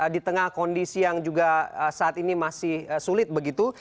di tengah kondisi yang juga saat ini masih sulit begitu